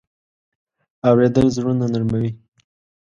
اورېدل زړونه نرمه وي.